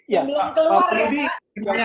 belum keluar ya pak